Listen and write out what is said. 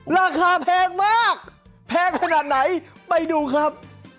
ราคาแพงมากแพงขนาดไหนไปดูครับ